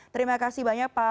terima kasih banyak pak